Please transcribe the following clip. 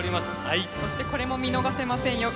そしてこれも見逃せませんよ。